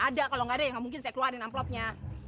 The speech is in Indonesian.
ada kalau nggak ada ya nggak mungkin saya keluarin amplopnya